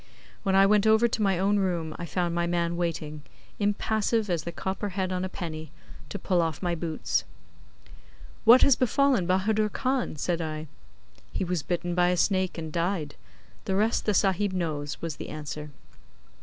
When I went over to my own room I found my man waiting, impassive as the copper head on a penny, to pull off my boots. 'What has befallen Bahadur Khan?' said I. 'He was bitten by a snake and died. The rest the Sahib knows,' was the answer.